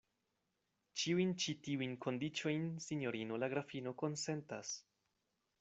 Ĉiujn ĉi tiujn kondiĉojn sinjorino la grafino konsentas.